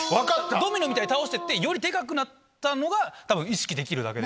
ドミノみたいに倒してってよりデカくなったのが多分意識できるだけで。